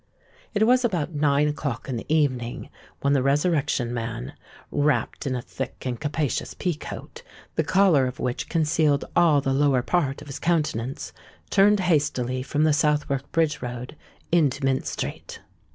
It was about nine o'clock in the evening when the Resurrection Man, wrapped in a thick and capacious pea coat, the collar of which concealed all the lower part of his countenance, turned hastily from the Southwark Bridge Road into Mint Street.